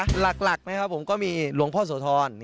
หลักนะครับผมก็มีหลวงพ่อโสธร